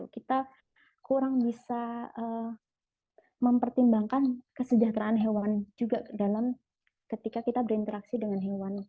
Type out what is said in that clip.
kita kurang bisa mempertimbangkan kesejahteraan hewan juga dalam ketika kita berinteraksi dengan hewan